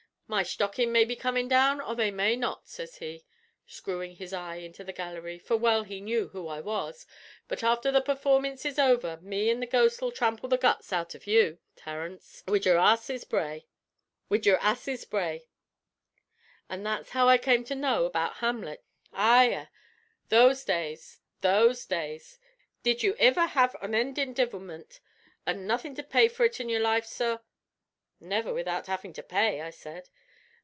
'My shtockin's may be comin' down, or they may not,' sez he, screwin' his eye into the gallery, for well he knew who I was; 'but afther the performince is over, me an' the Ghost'll trample the guts out av you, Terence, wid your ass's bray.' An' that's how I come to know about Hamlut. Eyah! Those days, those days! Did you iver have onendin' devilmint, an' nothin' to pay for it in your life, sorr?" "Never without having to pay," I said.